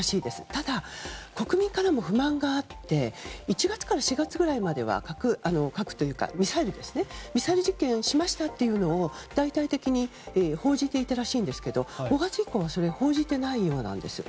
ただ、国民からも不満があって１月から４月くらいまではミサイル実験をしましたというのを大々的に報じていたらしいんですけど５月以降、それを報じていないようなんです。